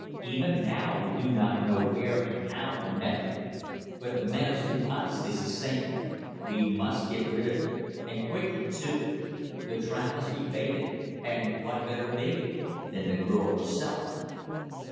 Even now we do not know where and how he met her. But the menace to us is the same. We must get rid of him and quickly, too! The trap must be baited and what better bait than the girl herself?"